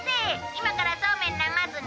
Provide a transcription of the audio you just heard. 今からそうめん流すね」